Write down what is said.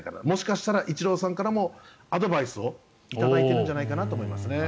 もしかしたらイチローさんからもアドバイスを頂いているんじゃないかなと思います。